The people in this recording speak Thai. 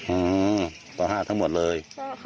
อืมป๕ทั้งหมดเลย